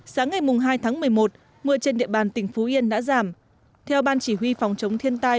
sáng ngày hai tháng một mươi một mưa trên địa bàn tỉnh phú yên đã giảm theo ban chỉ huy phòng chống thiên tai